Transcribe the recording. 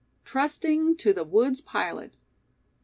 TRUSTING TO THE WOODS' PILOT.